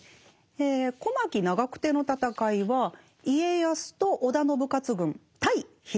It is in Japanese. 小牧・長久手の戦いは家康と織田信雄軍対秀吉ですね